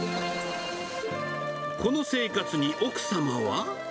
この生活に奥様は。